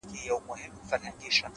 • مندوشاه به کاڼه واچول غوږونه,